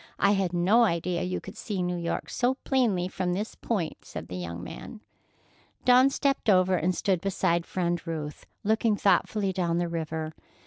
I had no idea you could see New York so plainly from this point," said the young man. Dawn stepped over and stood beside Friend Ruth, looking thoughtfully down the river.